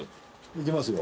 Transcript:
いきますよ。